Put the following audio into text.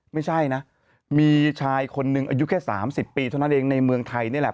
ไม่ใช่นะมีชายคนหนึ่งอายุแค่๓๐ปีเท่านั้นเองในเมืองไทยนี่แหละ